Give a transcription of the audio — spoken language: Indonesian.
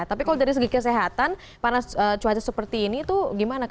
tapi kalau dari segi kesehatan panas cuaca seperti ini tuh gimana